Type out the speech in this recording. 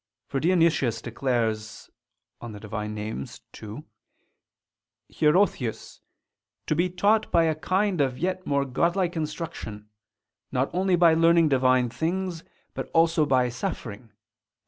For Dionysius declares (Div. Nom. ii) Hierotheus "to be taught by a kind of yet more Godlike instruction; not only by learning Divine things, but also by suffering (patiens) them."